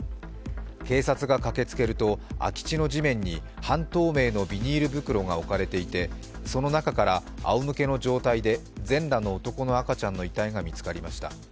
警察が駆けつけると空き地の地面に半透明のビニール袋が置かれていて、その中からあおむけの状態で全裸の男の赤ちゃんの遺体が見つかりました。